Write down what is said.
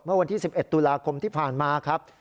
เมื่อวันที่๑๑ตุลาคมที่ผ่านมาครับ